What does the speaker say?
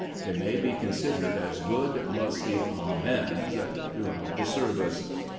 They may be considered as good lusty "Amens" throughout the service.